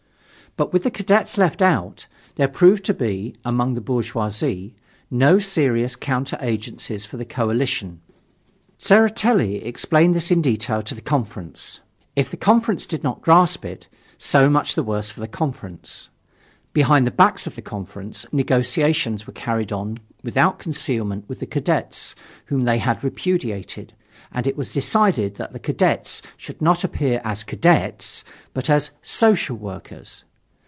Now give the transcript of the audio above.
But with the Cadets left out, there proved to be, among the bourgeoisie, no serious counter agencies for the coalition. Tseretelli explained this in detail to the conference. If the conference did not grasp it, so much the worse for the conference. Behind the backs of the conference, negotiations were carried on without concealment with the Cadets, whom they had repudiated, and it was decided that the Cadets should not appear as Cadets, but as "Social workers."